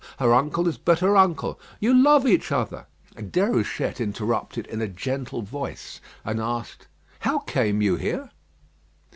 Her uncle is but her uncle. You love each other " Déruchette interrupted in a gentle voice, and asked, "How came you here?"